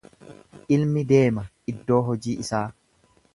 Ilmi deema iddoo hojii isaa.